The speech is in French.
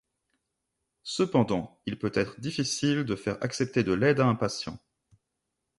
Cependant, il peut être difficile de faire accepter de l'aide à un patient.